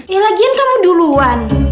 ya lagian kamu duluan